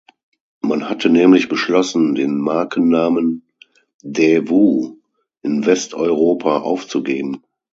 Man hatte nämlich beschlossen, den Markennamen „Daewoo“ in Westeuropa aufzugeben.